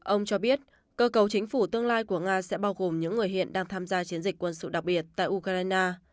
ông cho biết cơ cầu chính phủ tương lai của nga sẽ bao gồm những người hiện đang tham gia chiến dịch quân sự đặc biệt tại ukraine